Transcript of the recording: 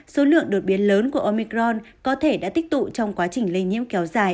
số lượng đột biến lớn của omicron có thể đã tích tụ trong quá trình lây nhiễm kéo dài